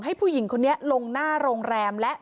มีเรื่องอะไรมาคุยกันรับได้ทุกอย่าง